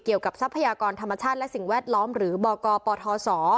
ทรัพยากรธรรมชาติและสิ่งแวดล้อมหรือบกปทศ